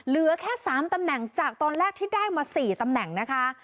เหลือแค่๓ตำแหน่งจากตอนแรกที่ได้มา๔ตำแหน่งนะคะ